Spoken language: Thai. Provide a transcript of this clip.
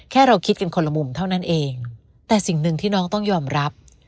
เราคิดกันคนละมุมเท่านั้นเองแต่สิ่งหนึ่งที่น้องต้องยอมรับ